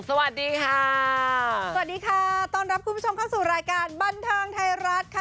สวัสดีค่ะสวัสดีค่ะต้อนรับคุณผู้ชมเข้าสู่รายการบันเทิงไทยรัฐค่ะ